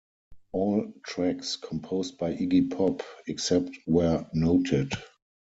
All tracks composed by Iggy Pop, except where noted.